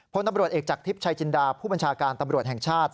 พลตำรวจเอกจากทิพย์ชายจินดาผู้บัญชาการตำรวจแห่งชาติ